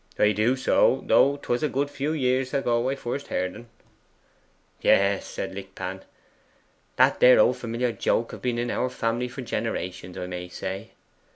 'I do so; though 'twas a good few years ago I first heard en.' 'Yes,' said Lickpan, 'that there old familiar joke have been in our family for generations, I may say.